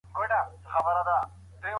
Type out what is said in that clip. د نيت اړوند دي وپوښتل سي.